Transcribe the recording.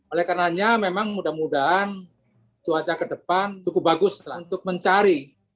oleh karenanya memang mudah mudahan cuaca ke depan cukup bagus untuk mencari